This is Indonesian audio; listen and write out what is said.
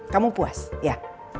kamu puas ya